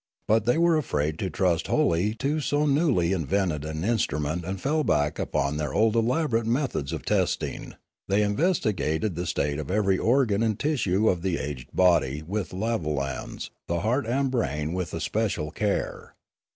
But they were afraid to trust wholly to so newly invented an instrument and fell back upon their old elaborate methods of testing; they investigated the state of every organ and tissue of the aged body with lavolans, the heart and brain with especial care.